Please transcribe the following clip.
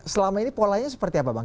selama ini polanya seperti apa bang